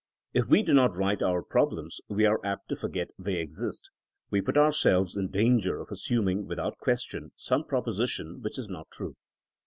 If we do not write our problems we are apt to forget they exist; we put ourselves in danger of assuming without question some proposition which is not true.